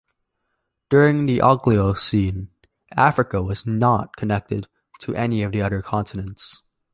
During the Oligocene, Africa was not connected to any of the other continents.